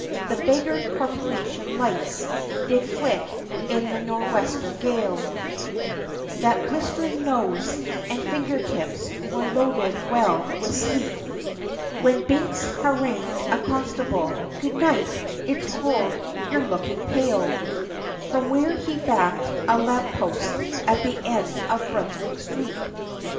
The beggared corporation lights, did flick in the nor'wester gale, That blistering nose, and finger tips, were loaded well with sleet, When Binks harrangued a constable, "Good night, it's cold, you're looking pale," From where he backed a lamp post, at the end of Brunswick Street.